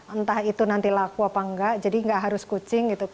entah itu nanti laku apa enggak jadi nggak harus kucing gitu